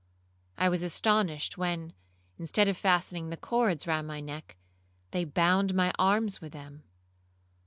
I was astonished, when, instead of fastening the cords round my neck, they bound my arms with them.